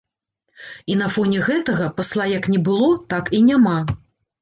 І на фоне гэтага пасла як не было, так і няма.